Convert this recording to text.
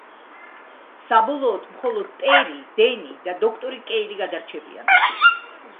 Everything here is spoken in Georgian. საბოლოოდ მხოლოდ ტერი, დენი და დოქტორი კეილი გადარჩებიან.